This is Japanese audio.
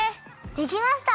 できました！